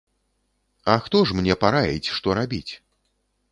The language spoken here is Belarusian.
А хто ж мне параіць, што рабіць?